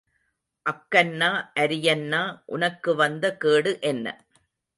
அக்கன்னா அரியன்னா, உனக்கு வந்த கேடு என்ன?